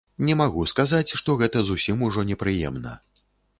Не магу сказаць, што гэта зусім ужо непрыемна.